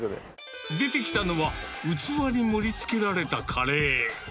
出てきたのは、器に盛りつけられたカレー。